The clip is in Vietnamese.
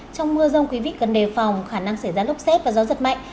trong mưa rông quý vị cần đề phòng khả năng sẽ ra lúc xét và gió giật mạnh